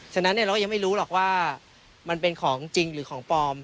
ฉะนั้นเราก็ยังไม่รู้หรอกว่ามันเป็นของจริงหรือของปลอม